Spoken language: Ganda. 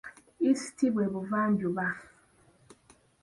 East bwe Buvanjuba